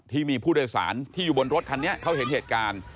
ที่มีผู้โดยสารที่อยู่บนรถคันนี้เขาเห็นเหตุการณ์